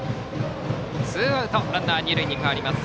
ツーアウトランナー、二塁に変わります。